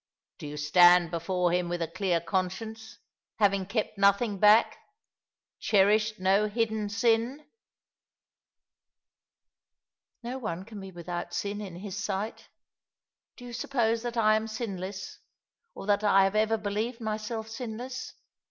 Do you stand before Him with a clear conscience — haying kept nothing back — cherished no hidden sin ?"" No one can be without sin in His sight. Do you supposa that I am sinless, or that I have ever believed myself sinless